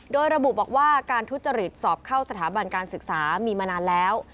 โดยระบุบอกว่าการทุจริตสอบเข้าสถาบันการศึกษามีมานานแล้ว